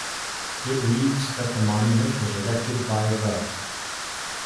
It reads that the monument was erected by the...